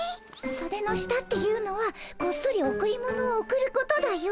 ソデの下っていうのはこっそりおくり物をおくることだよ。